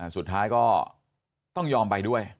สุดท้ายก็ต้องยอมไปด้วย